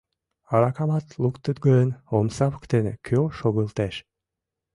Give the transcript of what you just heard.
Аракамат луктыт гын, омса воктене кӧ шогылтеш?